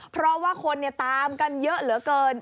เพราะว่าคนตามกันเยอะเหลือเกิน